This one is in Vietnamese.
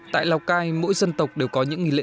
tại lào cai mỗi dân tộc đều có những nghỉ lễ